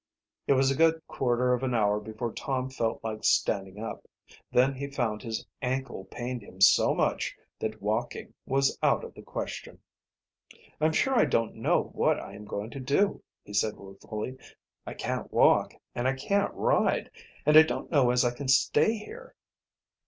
It was a good quarter of an hour before Tom felt like standing up. Then he found his ankle pained him so much that walking was out of the question. "I'm sure I don't know what I am going to do," he said ruefully. "I can't walk and I can't ride, and I don't know as I can stay here."